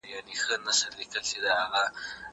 که وخت وي، شګه پاکوم!!